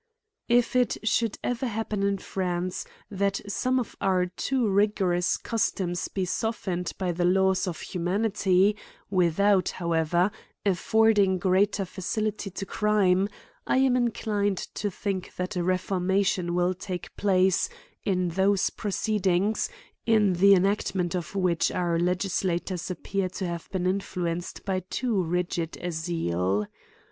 IF it should ever happen m France, that some of our too rigorous customs be softened by the laws of humanity, without, however, affording greater facility to crime, I am inclined to think that a reformation will take place in those proceed ings, in the enactment of which our legislators appear to have been influenced by too rigid a zeal.